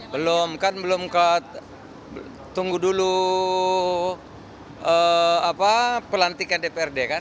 belum kan belum ke tunggu dulu pelantikan dprd kan